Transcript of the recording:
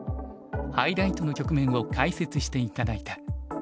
ハイライトの局面を解説して頂いた。